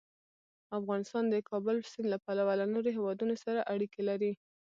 افغانستان د د کابل سیند له پلوه له نورو هېوادونو سره اړیکې لري.